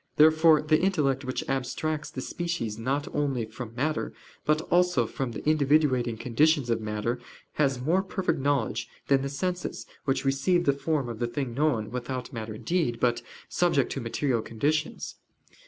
Therefore the intellect which abstracts the species not only from matter, but also from the individuating conditions of matter, has more perfect knowledge than the senses, which receive the form of the thing known, without matter indeed, but subject to material conditions.